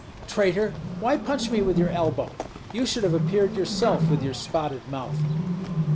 "Traitor! why punch me with your elbow? You should have appeared yourself, with your spotted mouth."